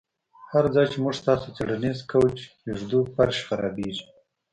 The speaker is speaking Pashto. هر ځای چې موږ ستاسو څیړنیز کوچ ږدو فرش خرابیږي